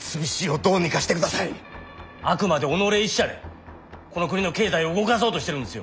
あくまで己一社でこの国の経済を動かそうとしてるんですよ。